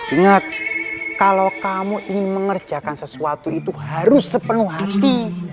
ingat kalau kamu ingin mengerjakan sesuatu itu harus sepenuh hati